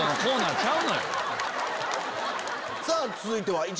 続いては。